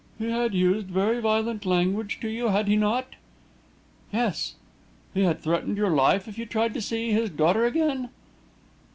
"He had used very violent language to you, had he not?" "Yes." "He had threatened your life if you tried to see his daughter again?"